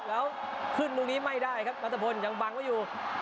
แล้วขึ้นตรงนี้ไม่ได้ครับนัทพลยังบังไว้อยู่